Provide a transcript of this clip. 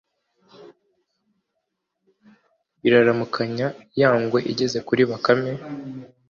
biraramukanya. ya ngwe igeze kuri bakame